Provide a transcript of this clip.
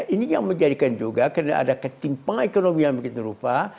ini yang menjadikan juga karena ada ketimpangan ekonomi yang begitu rupa